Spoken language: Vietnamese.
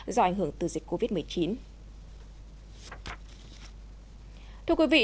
do ảnh hưởng từ dịch covid một mươi chín